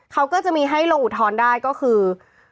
เขาก็จะมีให้ลงอุทธรณ์ได้ก็คือ